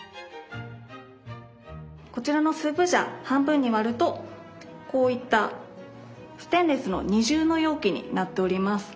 こちらのスープジャー半分に割るとこういったステンレスの二重の容器になっております。